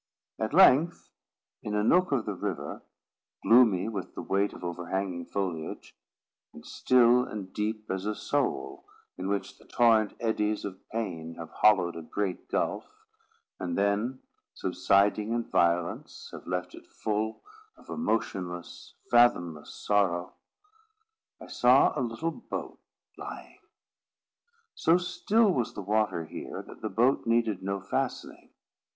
At length, in a nook of the river, gloomy with the weight of overhanging foliage, and still and deep as a soul in which the torrent eddies of pain have hollowed a great gulf, and then, subsiding in violence, have left it full of a motionless, fathomless sorrow—I saw a little boat lying. So still was the water here, that the boat needed no fastening.